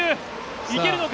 いけるのか。